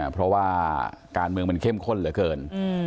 เพราะว่าการเมืองมันเข้มข้นเหลือเกิน